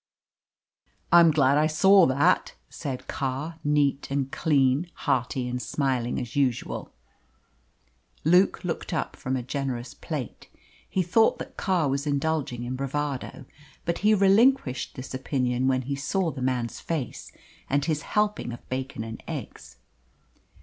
"I am glad I saw that," said Carr, neat and clean, hearty and smiling as usual. Luke looked up from a generous plate. He thought that Carr was indulging in bravado, but he relinquished this opinion when he saw the man's face and his helping of bacon and eggs.